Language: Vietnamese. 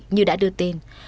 như đã đưa tên